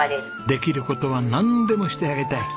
できる事はなんでもしてあげたい。